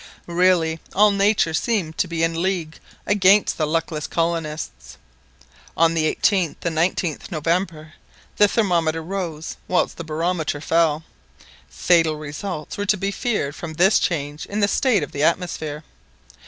Really all nature seemed to be in league against the luckless colonists. On the 18th and 19th November, the thermometer rose, whilst the barometer fell. Fatal results were to be feared from this change in the state of the atmosphere.